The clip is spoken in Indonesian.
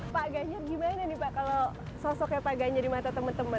pak ganyer gimana nih pak kalau sosoknya pak ganyer di mata temen temen